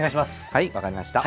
はい分かりました。